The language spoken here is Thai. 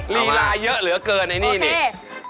ลีลาเยอะเหลือเกินไอ้นี่นี่